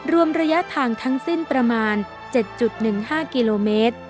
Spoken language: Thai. รวมระยะทางทั้งสิ้นประมาณ๗๑๕กิโลเมตร